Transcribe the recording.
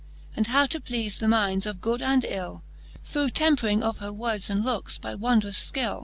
And how to pleafe the minds of good and ill. Through tempering of her words and lookes by wondrous fkill.